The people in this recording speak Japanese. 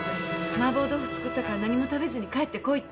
「麻婆豆腐作ったから何も食べずに帰って来い」って。